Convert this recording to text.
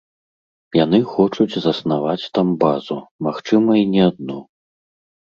Яны хочуць заснаваць там базу, магчыма і не адну.